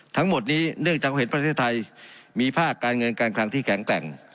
ทั้งหมดนี้เนื่องจากเห็นประเทศไทยมีภาคการเงินการคลังที่แข็งแกร่ง